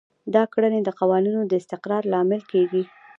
دا کړنې د قوانینو د استقرار لامل کیږي.